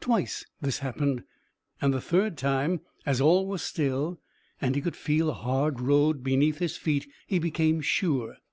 Twice this happened, and the third time, as all was still, and he could feel a hard road beneath his feet, he became sure.